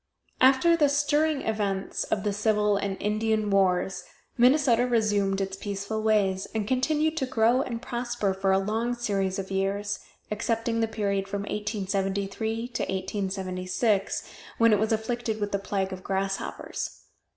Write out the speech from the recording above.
After the stirring events of the Civil and Indian wars Minnesota resumed its peaceful ways, and continued to grow and prosper for a long series of years, excepting the period from 1873 to 1876, when it was afflicted with the plague of grasshoppers.